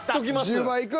１０倍いく！？